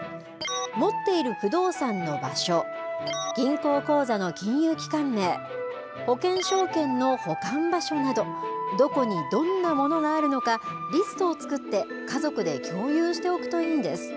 持っている不動産の場所、銀行口座の金融機関名、保険証券の保管場所など、どこに、どんなものがあるのか、リストを作って家族で共有しておくといいんです。